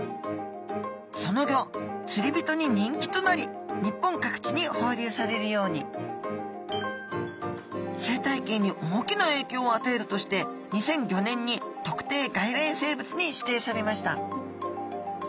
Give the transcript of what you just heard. そのギョ釣り人に人気となり日本各地に放流されるように生態系に大きなえいきょうをあたえるとして２００５年に特定外来生物に指定されました